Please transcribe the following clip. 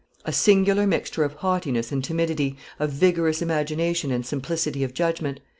A singular mixture of haughtiness and timidity, of vigorous imagination and simplicity of judgment!